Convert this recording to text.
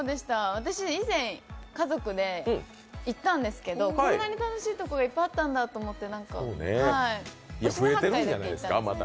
私以前家族で行ったんですけどこんなに楽しいところがいっぱいあったんだと思って。